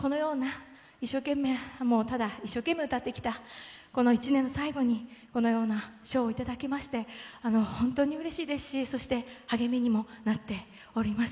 ただ一生懸命歌ってきたこの１年の最後にこのような賞をいただけまして、本当にうれしいですし、そして励みにもなっております。